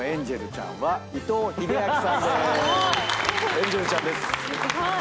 エンジェルちゃんです。